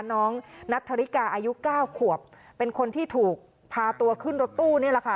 นัทธริกาอายุเก้าขวบเป็นคนที่ถูกพาตัวขึ้นรถตู้นี่แหละค่ะ